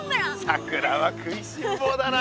さくらは食いしん坊だな！